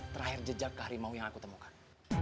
terakhir jejak ke harimau yang aku temukan